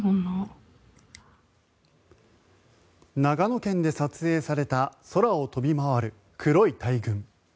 長野県で撮影された空を飛び回る黒い大群。